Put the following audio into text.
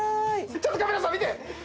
ちょっとカメラさん見て！